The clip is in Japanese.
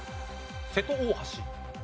瀬戸大橋。